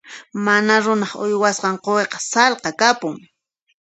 Mana runaq uywasqan quwiqa sallqa kapun.